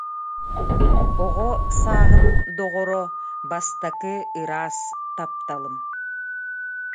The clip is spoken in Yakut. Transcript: оҕо сааһым доҕоро, бастакы ыраас тапталым